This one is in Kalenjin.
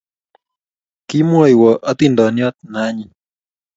Kimwaiwo atindiyot ne anyin